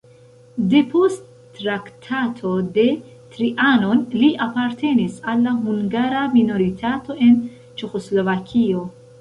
Depost Traktato de Trianon li apartenis al la hungara minoritato en Ĉeĥoslovakio.